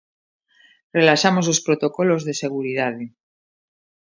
Relaxamos os protocolos de seguridade.